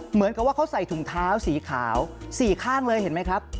เหมือนกับว่าเขาใส่ถุงเท้าสีขาว๔ข้างเลยเห็นไหมครับ